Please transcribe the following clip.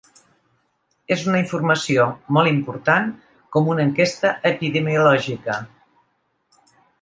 És una informació molt important, com una enquesta epidemiològica.